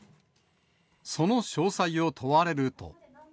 その詳細を問われると。